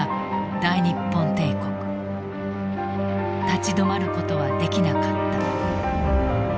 立ち止まることはできなかった。